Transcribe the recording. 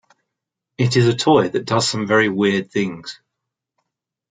It is a toy that does some very weird things.